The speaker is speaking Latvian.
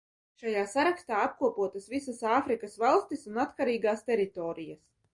Šajā sarakstā apkopotas visas Āfrikas valstis un atkarīgās teritorijas.